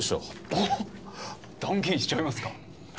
おっ断言しちゃいますか？